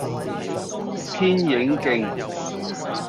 天影徑